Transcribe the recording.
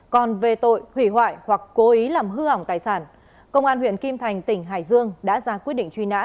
còn về tội hủy hoại hoặc cố ý làm hư hỏng tài sản công an huyện kim thành tỉnh hải dương đã ra quyết định truy nã